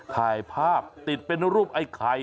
ถ่ายภาพติดเป็นรูปไอ้ไข่